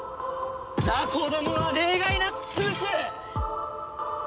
雑魚どもは例外なく潰す！